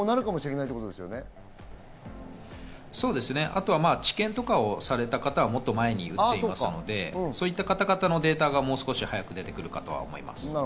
あとは治験とかをされた方は、もっと前に打ってますので、そういった方々のデータがもう少し早く出てくるかと思います。